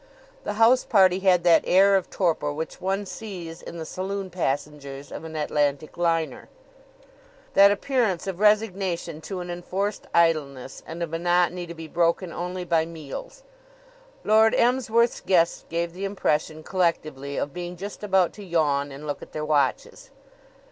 The house party had that air of torpor which one sees in the saloon passengers of an Atlantic liner that appearance of resignation to an enforced idleness and a monotony to be broken only by meals. Lord Emsworth's guests gave the impression, collectively, of being just about to yawn and look at their watches.